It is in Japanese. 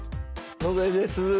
野添です。